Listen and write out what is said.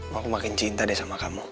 aku makin cinta deh sama kamu